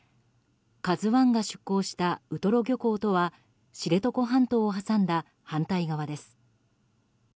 「ＫＡＺＵ１」が出航したウトロ漁港とは知床半島を挟んだ反対側です。